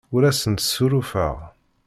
Ur asent-ssurufeɣ.